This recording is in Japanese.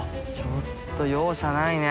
ちょっと容赦ないね